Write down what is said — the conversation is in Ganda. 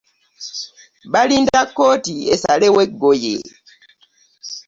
Balinda kkooti esalewo eggoye.